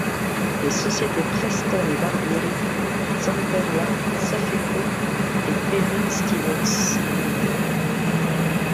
Les sociétés Preston & Barbieri, Zamperla, Safeco et Perrin Stevens Ltd.